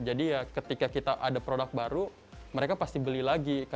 jadi ya ketika kita ada produk baru mereka pasti beli lagi